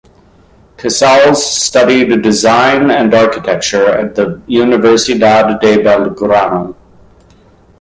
Casals studied design and architecture at the Universidad de Belgrano.